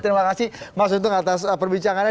terima kasih mas untung atas perbincangannya